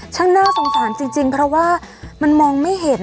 น่าสงสารจริงเพราะว่ามันมองไม่เห็น